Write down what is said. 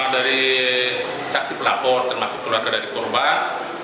dari saksi pelapor termasuk keluarga dari korban